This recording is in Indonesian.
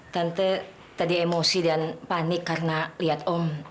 tante tadi emosi dan panik karena lihat om